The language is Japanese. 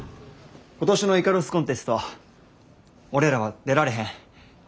今年のイカロスコンテスト俺らは出られへん。